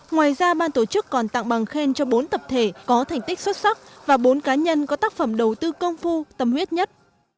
ngoài ra ban tổ chức còn tặng bằng khen cho bốn tập thể có thành tích xuất sắc và bốn cá nhân có tác phẩm đầu tư công phu tâm huyết nhất